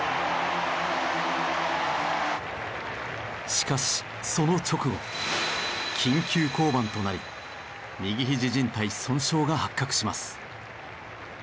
しかしその直後緊急降板となり右ひじ靱帯損傷が発覚します。